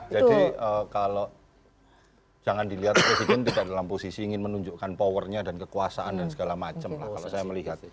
jadi kalau jangan dilihat presiden tidak dalam posisi ingin menunjukkan powernya dan kekuasaan dan segala macem lah kalau saya melihat